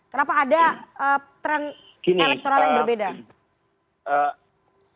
kenapa ada tren elektoral yang berbeda